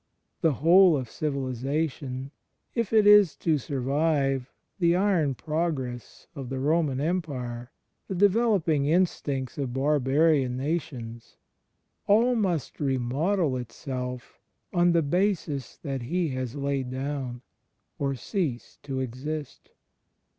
The whole of civilization, if it is to survive, the iron progress of the Roman Empire, the developing instincts of barbarian nations — all must remodel itself on the basis that He has laid down, or cease to exist.